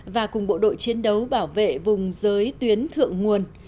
và cùng bộ đội chiến đấu bảo vệ vùng giới tuyến thượng nguồn